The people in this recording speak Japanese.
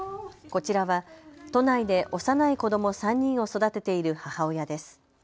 こちらは都内で幼い子ども３人を育てている母親です。